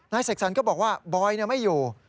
เสกสรรก็บอกว่าบอยไม่อยู่